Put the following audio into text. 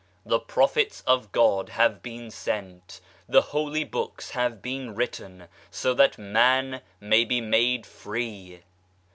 The Prophets of God have been sent, the Holy Books have been written, so that man may be made free.